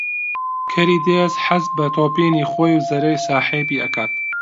کەری دێز حەز بە تۆپینی خۆی و زەرەری ساحێبی ئەکات